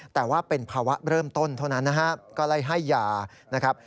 แต่ว่าเป็นภาวะเริ่มต้นเท่านั้นนะครับก็ไล่ให้ยานะครับ